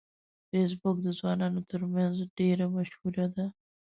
فېسبوک د ځوانانو ترمنځ ډیره مشهوره ده